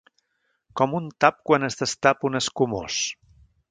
Com un tap quan es destapa un escumós.